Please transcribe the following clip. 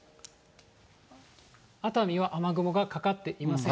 熱海は雨雲がかかっていません。